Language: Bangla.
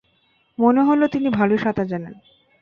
মনে হলো তিনি ভালোই সাঁতার জানেন।